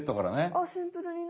あっシンプルにね。